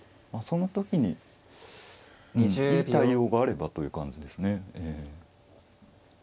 そのときにいい対応があればという感じですね。